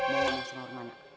mau ngurus rumah rumana